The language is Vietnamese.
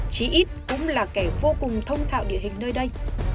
chí ít cũng là kẻ vô cùng thông thạo địa hình nơi đây